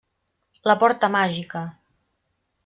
La porta màgica!